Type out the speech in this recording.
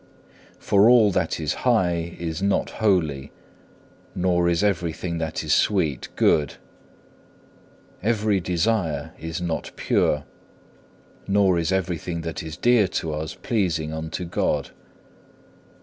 For all that is high is not holy, nor is everything that is sweet good; every desire is not pure; nor is everything that is dear to us pleasing unto God.